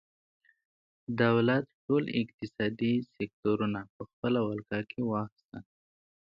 دولت ټول اقتصادي سکتورونه په خپله ولکه کې واخیستل.